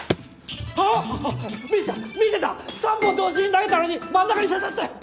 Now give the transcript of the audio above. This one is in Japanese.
３本同時に投げたのに真ん中に刺さったよ！